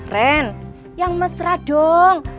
ren yang mesra dong